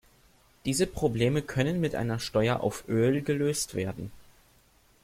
Diese Probleme können mit einer Steuer auf Öl gelöst werden.